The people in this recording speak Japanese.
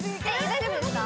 大丈夫です？